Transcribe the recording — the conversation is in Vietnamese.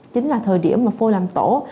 chính là thời điểm mà phôi làm tổ